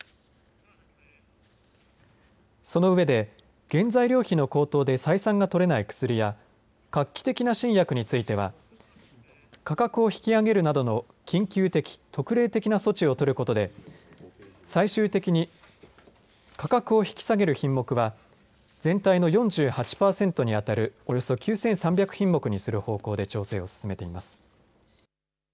その上で、原材料費の高騰で採算が取れない薬や画期的な新薬については価格を引き上げるなどの緊急的特例的な措置を取ることで最終的に価格を引き下げる品目は全体の４８パーセントに当たるおよそ９３００品目にする方向で調整を進めています。